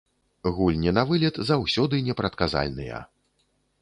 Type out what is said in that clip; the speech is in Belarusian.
Гульні на вылет заўсёды непрадказальныя.